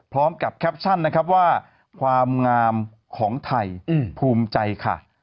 แคปชั่นนะครับว่าความงามของไทยภูมิใจค่ะ